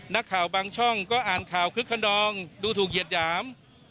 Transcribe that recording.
บางช่องก็อ่านข่าวคึกขนองดูถูกเหยียดหยาม